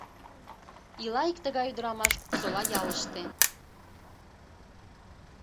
Ила ик тыгай ӱдырамаш Купсола ялыште.